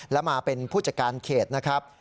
และมาเป็นผู้จัดการเขตนะครับ